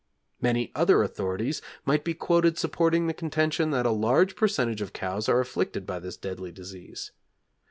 Many other authorities might be quoted supporting the contention that a large percentage of cows are afflicted by this deadly disease.